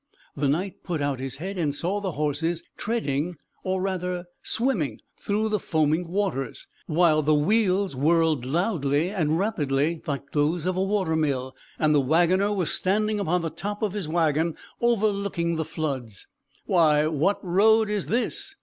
The Knight put out his head and saw the horses treading or rather swimming through the foaming waters, while the wheels whirled loudly and rapidly like those of a water mill, and the wagoner was standing upon the top of his wagon, overlooking the floods. "Why, what road is this?